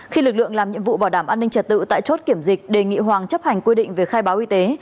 khi lực lượng làm nhiệm vụ bảo đảm an ninh trật tự tại chốt kiểm dịch đề nghị hoàng chấp hành quy định về khai báo y tế